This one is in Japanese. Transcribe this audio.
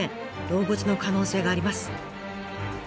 動物の可能性があります。